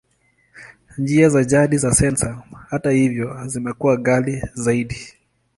Njia za jadi za sensa, hata hivyo, zimekuwa ghali zaidi.